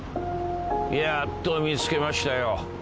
やっと見つけましたよ。